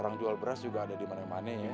orang jual beras juga ada dimana mana ya